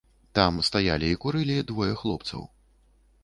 Там стаялі і курылі двое хлопцаў.